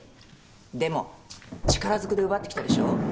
でも力ずくで奪ってきたでしょ。